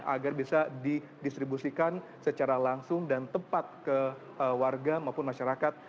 agar bisa didistribusikan secara langsung dan tepat ke warga maupun masyarakat